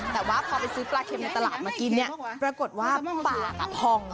แต่ว่าพอไปซื้อปลาเค็มในตลาดมากินเนี่ยปรากฏว่าปากพอง